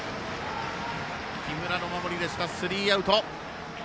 木村の守りでした、スリーアウト。